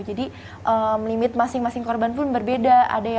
jadi limit masing masing korban pun berbeda